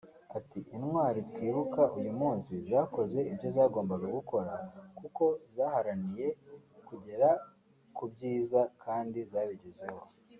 Ati “Intwari twibuka uyu munsi zakoze ibyo zagombaga gukora kuko zaharaniye kugera ku byiza kandi zabigezeho